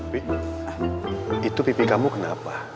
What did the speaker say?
bi itu pipi kamu kenapa